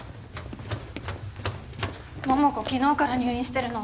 桃子昨日から入院してるの。